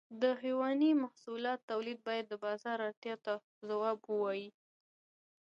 د حيواني محصولاتو تولید باید د بازار اړتیاو ته ځواب ووایي.